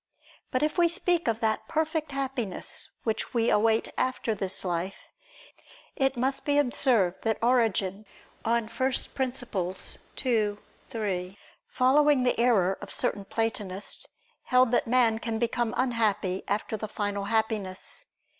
But if we speak of that perfect Happiness which we await after this life, it must be observed that Origen (Peri Archon. ii, 3), following the error of certain Platonists, held that man can become unhappy after the final Happiness.